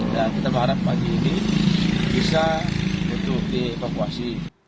dan kita berharap pagi ini bisa untuk dievakuasi